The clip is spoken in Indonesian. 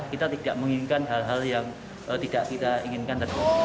kita tidak menginginkan hal hal yang tidak kita inginkan